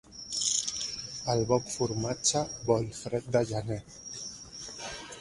El bon formatge vol fred de gener.